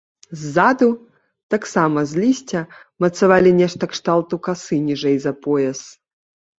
Ззаду, таксама з лісця, мацавалі нешта кшталту касы ніжэй за пояс.